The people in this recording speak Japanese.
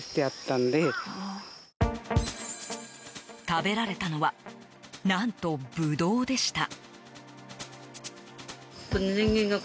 食べられたのは何と、ブドウでした。